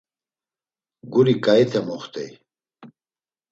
Guri ǩaite moxt̆ey.